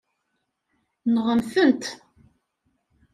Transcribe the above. Nɣemt-tent.